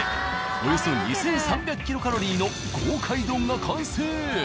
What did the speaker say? およそ２，３００キロカロリーの豪快丼が完成。